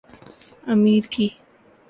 امیر کی